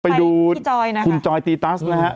ไปดูคุณจอยตีตัสนะฮะ